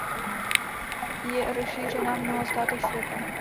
Je rozšířená v mnoha státech světa.